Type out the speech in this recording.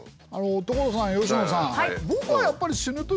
所さん佳乃さん。